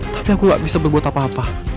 tapi aku gak bisa berbuat apa apa